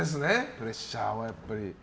プレッシャーはやっぱり？